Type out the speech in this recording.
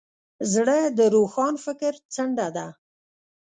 زړه د روښان فکر څنډه ده.